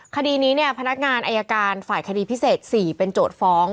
คดีนี้เนี่ยพนักงานอายการฝ่ายคดีพิเศษ๔เป็นโจทย์ฟ้อง